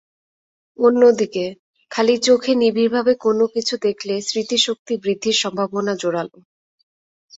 অন্যদিকে, খালি চোখে নিবিড়ভাবে কোনো কিছু দেখলে স্মৃতিশক্তি বৃদ্ধির সম্ভাবনা জোরালো।